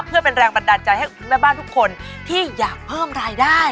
เพื่อเป็นแรงบันดาลใจให้คุณแม่บ้านทุกคนที่อยากเพิ่มรายได้